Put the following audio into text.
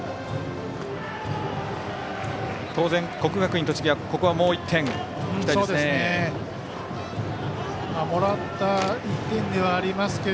当然、国学院栃木はここはもう１点いきたいですね。